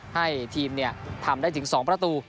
ให้ทีมทำได้ถึง๒ประตู